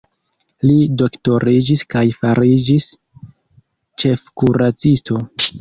Li doktoriĝis kaj fariĝis ĉefkuracisto.